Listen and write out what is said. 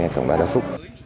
tổng đoàn gia súc